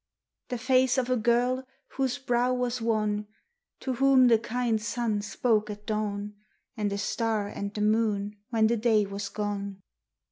The face of a girl whose brow was wan; To whom the kind sun spoke at dawn, And a star and the moon when the day was gone.